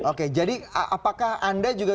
oke jadi apakah anda juga